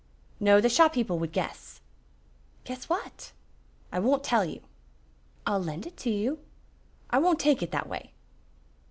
"No, the shop people would guess." "Guess what?" "I won't tell you." "I'll lend it to you." "I won't take it that way."